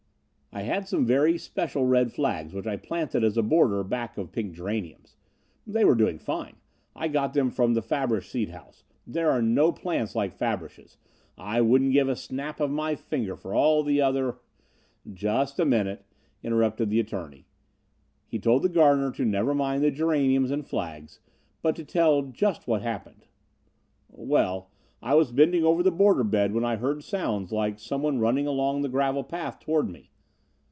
"I had some very special red flags which I planted as a border back of pink geraniums. They were doing fine. I got them from the Fabrish seed house. There are no plants like Fabrish's I wouldn't give a snap of my finger for all the other " "Just a minute," interrupted the attorney. He told the gardener to never mind the geraniums and flags, but to tell just what happened. "Well, I was bending over the border bed when I heard sounds like someone running along the gravel path towards me.